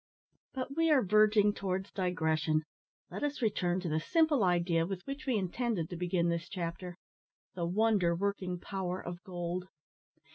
But we are verging towards digression. Let us return to the simple idea with which we intended to begin this chapter the wonder working power of gold.